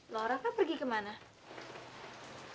loh raka pergi kemana